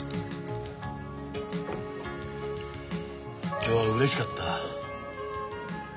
今日はうれしかった。